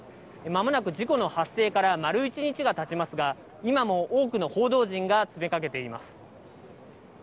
まもなく事故の発生から丸１日がたちますが、今も多くの報道陣が詰めかけています。